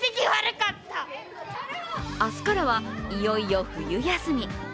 明日からは、いよいよ冬休み。